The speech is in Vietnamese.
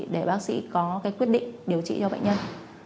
để bác sĩ có quyết định điều trị cho bệnh nhân